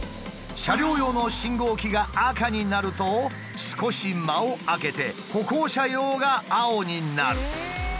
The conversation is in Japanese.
車両用の信号機が赤になると少し間を空けて歩行者用が青になる。